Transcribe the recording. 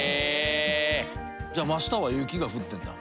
じゃあ真下は雪が降ってんだ。